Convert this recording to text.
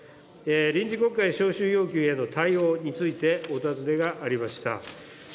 臨時国会召集要求への対応についてお尋ねがありました。